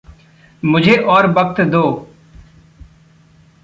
मुझे और वक़्त दो।